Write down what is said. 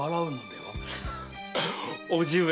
叔父上。